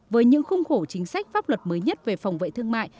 với những khung khổ chính sách pháp luật mới nhất về phòng vệ thương mại